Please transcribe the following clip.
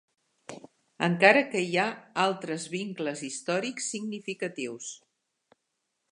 Encara que hi ha altres vincles històrics significatius.